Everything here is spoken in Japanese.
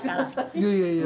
いやいやいや。